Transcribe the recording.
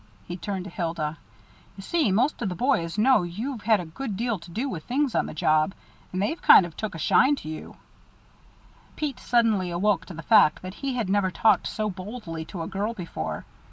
He turned to Hilda. "You see, most of the boys know you've had a good deal to do with things on the job, and they've kind of took a shine to you " Pete suddenly awoke to the fact that he had never talked so boldly to a girl before.